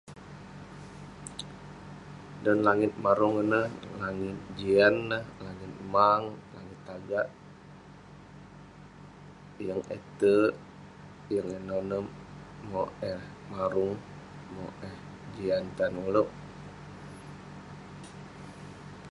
Dan langit marung ineh, langit jian neh, langit mang, langit tagak, yeng eh terk, yeng eh nonep, mauk eh marung, mauk eh jian tan ulouk..